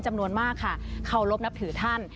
จำนวนมากค่ะเคารพนับถือท่าน